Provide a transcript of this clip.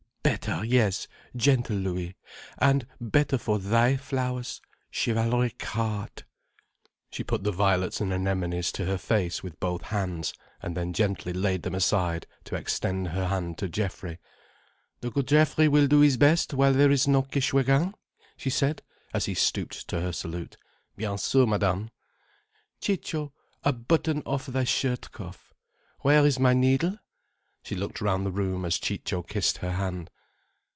"Better, yes, gentle Louis. And better for thy flowers, chivalric heart." She put the violets and anemones to her face with both hands, and then gently laid them aside to extend her hand to Geoffrey. "The good Geoffrey will do his best, while there is no Kishwégin?" she said as he stooped to her salute. "Bien sûr, Madame." "Ciccio, a button off thy shirt cuff. Where is my needle?" She looked round the room as Ciccio kissed her hand.